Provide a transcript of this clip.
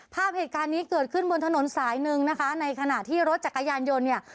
ภาพเหตุการณ์นี้เกิดขึ้นบนถนนสายหนึ่งนะคะในขณะที่รถจักรยานยนต์เนี่ย